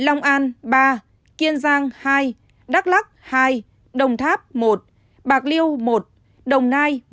kiên giang ba kiên giang hai đắk lắc hai đồng tháp một bạc liêu một đồng nai một